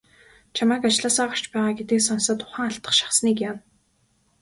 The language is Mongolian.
Чамайг ажлаасаа гарч байгаа гэдгийг сонсоод ухаан алдах шахсаныг яана.